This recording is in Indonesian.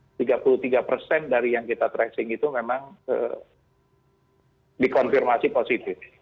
jadi tiga puluh tiga persen dari yang kita tracing itu memang dikonfirmasi positif